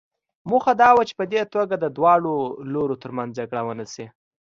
موخه دا وه چې په دې توګه د دواړو لورو ترمنځ جګړه ونه شي.